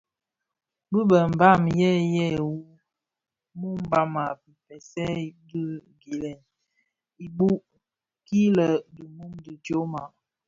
Bë bi Mbam yèn yè yi muu mbam a begsè dhi gilèn ibouk ki lè di mum dhi tyoma.